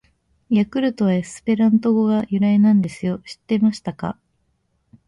「ヤクルト」はエスペラント語が由来なんですよ！知ってましたか！！